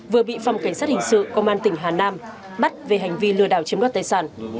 vừa bị phòng cảnh sát hình sự công an tỉnh hà nam bắt về hành vi lừa đảo chiếm đoạt tài sản